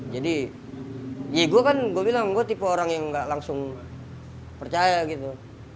jadi ya gue kan gue bilang gue tipe orang yang gak langsung percaya gitu